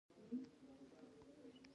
زه ژر ورکوز شوم چې څه خبره ده